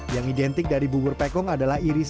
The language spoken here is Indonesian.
yang identik dari bubur pekong ini adalah bubur pekong